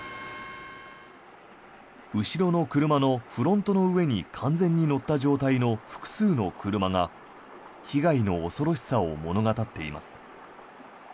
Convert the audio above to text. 後ろの車のフロントの上に完全に乗った状態の複数の車が被害の恐ろしさを物語っています。